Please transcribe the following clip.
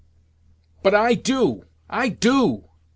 "But, I do, I do!"